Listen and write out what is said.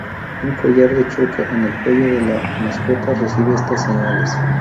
Un collar de choque en el cuello de la la mascota recibe estas señales.